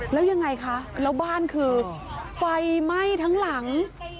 แล้วยังไงคะแล้วบ้านคือไฟไหม้ทั้งหลัง